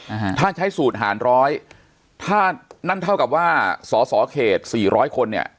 อ่าฮะถ้าใช้สูตรหารร้อยถ้านั่นเท่ากับว่าสอสอเขตสี่ร้อยคนเนี่ย